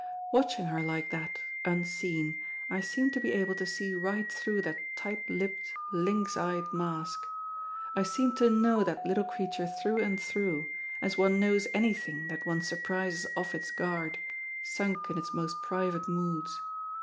Watching her like that, unseen, I seemed to be able to see right through that tight lipped, lynx eyed mask. I seemed to know that little creature through and through, as one knows anything that one surprises off its guard, sunk in its most private moods.